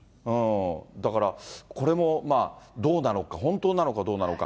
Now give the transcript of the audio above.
だから、これもまあ、どうなのか、本当なのか、どうなのか。